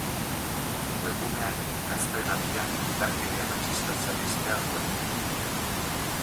Webguneak gazteen artean indarkeria matxista saihestea du helburu.